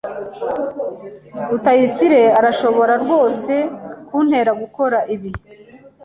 Rutayisire arashobora rwose kuntera gukora ibi?